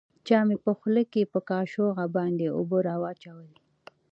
چا مې په خوله کښې په کاشوغه باندې اوبه راواچولې.